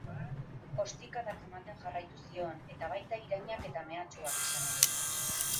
Ostikadak ematen jarraitu zion, eta baita irainak eta mehatxuak esan ere.